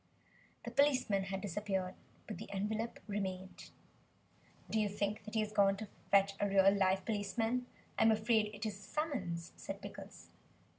The policeman had disappeared. But the envelope remained. "Do you think that he has gone to fetch a real live policeman? I am afraid it is a summons," said Pickles.